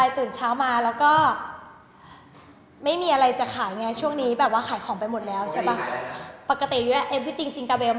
ตื่นเช้ามาปุ๊บเนี้ยก็ไม่มีอะไรตื่นเช้ามาแล้วก็